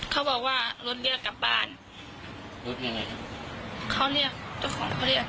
เขาบอกว่ารถเนี้ยกลับบ้านรถยังไงครับเขาเรียกเจ้าของเขาเรียก